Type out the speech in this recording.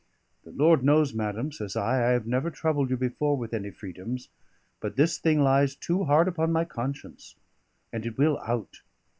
"The Lord knows, madam," says I, "I have never troubled you before with any freedoms; but this thing lies too hard upon my conscience, and it will out.